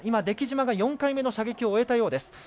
出来島が４回目の射撃を終えたようです。